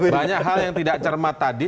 banyak hal yang tidak cermat tadi